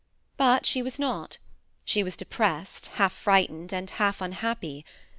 But she was not; she was depressed, half frightened, and half unhappy.